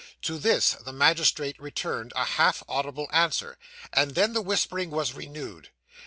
To this, the magistrate returned a half audible answer, and then the whispering was renewed.